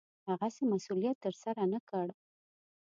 هغسې مسوولت ترسره نه کړ.